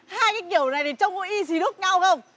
hai cái kiểu này này trông có y xí lúc nhau không